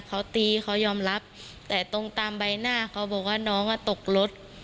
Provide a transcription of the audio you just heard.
เขาตีเขายอมรับแต่ตรงตามใบหน้าเขาบอกว่าน้องอ่ะตกรถ